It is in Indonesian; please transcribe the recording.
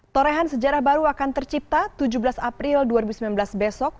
torehan sejarah baru akan tercipta tujuh belas april dua ribu sembilan belas besok